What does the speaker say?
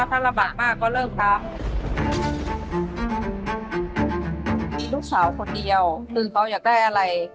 คือเขาอยากได้อะไร